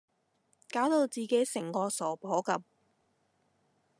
攪到自己成個傻婆咁